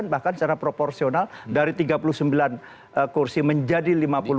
bahkan secara proporsional dari tiga puluh sembilan kursi menjadi lima puluh enam